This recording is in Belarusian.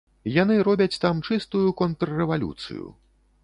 Яны робяць там чыстую контррэвалюцыю.